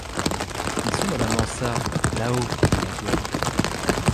Ils sont dans la mansarde, là-haut, dit la vieille.